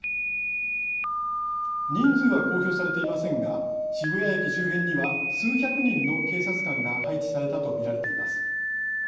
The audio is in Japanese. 人数は公表されていませんが渋谷駅周辺には数百人の警察官が配置されたと見られています。